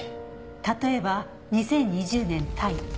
例えば２０２０年タイ。